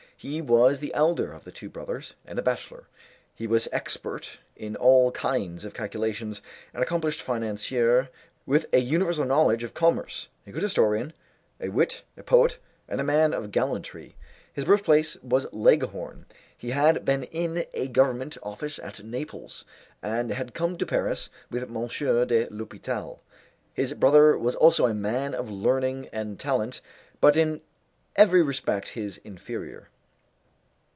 He was the elder of the two brothers, and a bachelor. He was expert in all kinds of calculations, an accomplished financier, with a universal knowledge of commerce, a good historian, a wit, a poet, and a man of gallantry. His birthplace was Leghorn, he had been in a Government office at Naples, and had come to Paris with M. de l'Hopital. His brother was also a man of learning and talent, but in every respect his inferior.